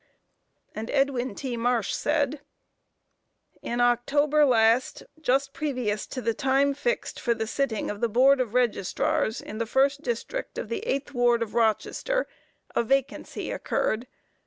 And Edwin T. Marsh said: "In October last, just previous to the time fixed for the sitting of the Board of Registrars in the first district of the eighth ward of Rochester, a vacancy occurred.